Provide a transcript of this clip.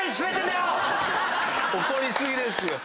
怒り過ぎですよ。